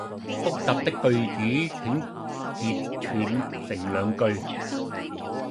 複雜的句子請截斷成兩句